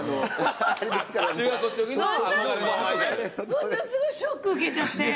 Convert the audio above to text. ものすごいショック受けちゃって。